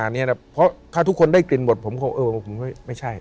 เพราะถ้าทุกคนได้กลิ่นหมดผมคงไม่ใช่